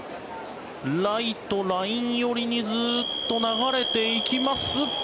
ライト、ライン寄りにずっと流れていきます。